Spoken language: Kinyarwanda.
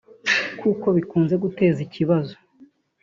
kuko bikunze guteza ibibazo